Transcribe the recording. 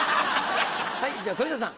じゃあ小遊三さん。